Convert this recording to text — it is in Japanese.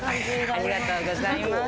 ありがとうございます。